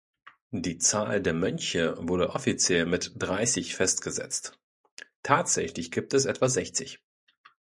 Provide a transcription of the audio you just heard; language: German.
Die Zahl der Mönche wurde offiziell mit dreißig festgesetzt, tatsächlich gibt es etwa sechzig.